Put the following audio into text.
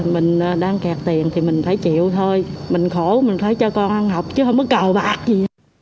mình đang kẹt thì mình phải chịu thôi mình khổ mình phải cho con ăn học chứ không có cầu bạc gì